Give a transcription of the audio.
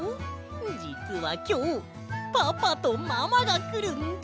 じつはきょうパパとママがくるんだ！